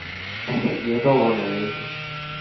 我識野多過你